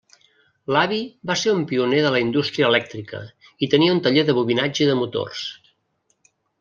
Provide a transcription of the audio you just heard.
L'avi va ser un pioner de la indústria elèctrica i tenia un taller de bobinatge de motors.